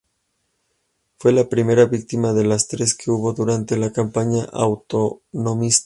Fue la primera víctima de las tres que hubo durante la campaña autonomista.